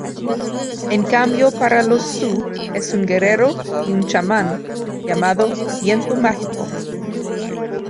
En cambio para los Sioux es un guerrero y un chamán llamado "Viento Mágico".